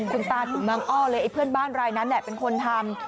คุณตาถึงบางอ้อเลยไอ้เพื่อนบ้านรายนั้นแหละเป็นคนทำ